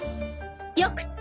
よくって？